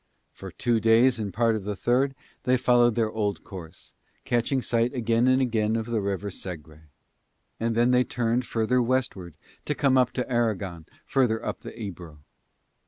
For two days and part of the third they followed their old course, catching sight again and again of the river Segre; and then they turned further west ward to come to Aragon further up the Ebro.